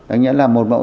anh nhận là một mẫu